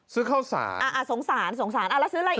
ซื้อข้าวสารอ่าสงสารสงสารอ่าแล้วซื้ออะไรอีก